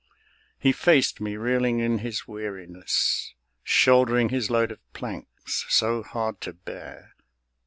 He faced me, reeling in his weariness, Shouldering his load of planks, so hard to bear.